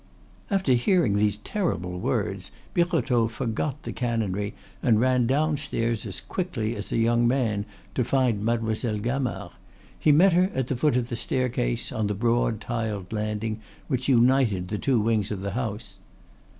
After hearing these terrible words, Birotteau forgot the canonry and ran downstairs as quickly as a young man to find Mademoiselle Gamard. He met her at the foot of the staircase, on the broad, tiled landing which united the two wings of the house.